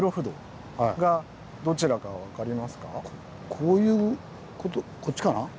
こういう事こっちかな？